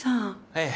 ええ。